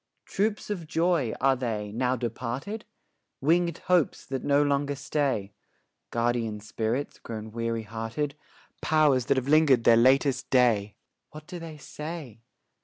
Troops of joys are they, now departed? Winged hopes that no longer stay? Guardian spirits grown weary hearted? Powers that have linger'd their latest day? What do they say?